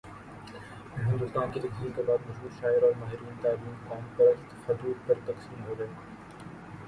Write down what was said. میں ہندوستان کی تقسیم کے بعد، مشہور شاعر اور ماہرین تعلیم قوم پرست خطوط پر تقسیم ہو گئے۔